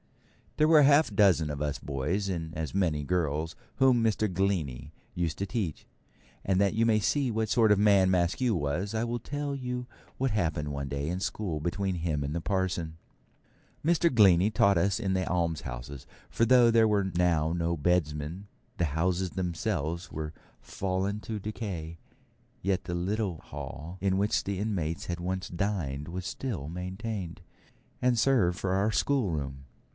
There were a half dozen of us boys, and as many girls, whom Mr. Glennie used to teach; and that you may see what sort of man Maskew was, I will tell you what happened one day in school between him and the parson. Mr. Glennie taught us in the almshouses; for though there were now no bedesmen, and the houses themselves were fallen to decay, yet the little hall in which the inmates had once dined was still maintained, and served for our schoolroom.